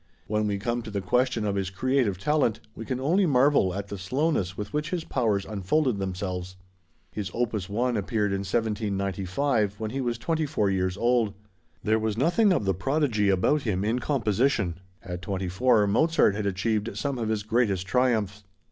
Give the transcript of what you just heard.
When we come to the question of his creative talent, we can only marvel at the slowness with which his powers unfolded themselves. His opus 1 appeared in 1795, when he was twenty four years old. There was nothing of the prodigy about him in composition. At twenty four, Mozart had achieved some of his greatest triumphs.